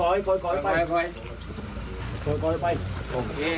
ไปค่อย